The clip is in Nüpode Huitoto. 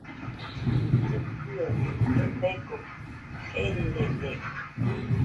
Llɨkɨaɨ gebegoɨ erɨrede.